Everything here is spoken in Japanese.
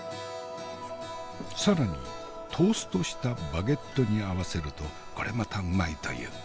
更にトーストしたバゲットに合わせるとこれまたうまいという。